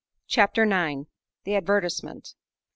CHAPTER IX. THE ADVERTISEMENT.